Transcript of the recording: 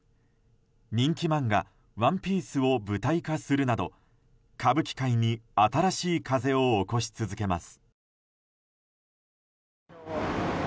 人気漫画「ＯＮＥＰＩＥＣＥ」を舞台化するなど歌舞伎界に新しい風を起こし続けます。